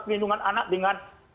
pelindungan anak dengan